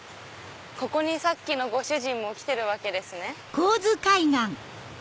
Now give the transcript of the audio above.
ここにさっきのご主人も来てるわけですね。